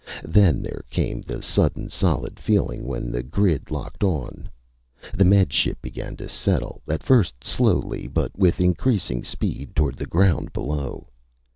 Then there came the sudden solid feeling when the grid locked on. The Med Ship began to settle, at first slowly but with increasing speed, toward the ground below.